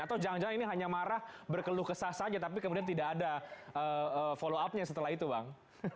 atau jangan jangan ini hanya marah berkeluh kesah saja tapi kemudian tidak ada follow up nya setelah itu bang